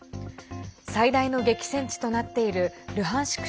最大の激戦地となっているルハンシク